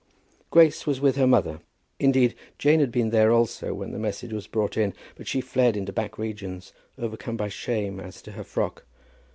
Grace was with her mother. Indeed Jane had been there also when the message was brought in, but she fled into back regions, overcome by shame as to her frock.